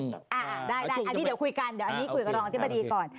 อันนี้เดี๋ยวคุยกันเดี๋ยวอันนี้คุยกับรองอธิบดีก่อน